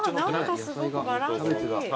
すごくバランスいい。